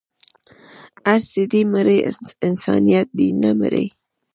هر څه دې مري انسانيت دې نه مري